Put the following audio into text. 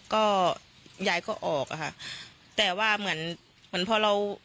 ก็ยายก็ออกอะค่ะแต่ว่าเหมือนเหมือนพอเรา